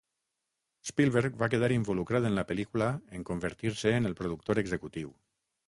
Spielberg va quedar involucrat en la pel·lícula en convertir-se en el productor executiu.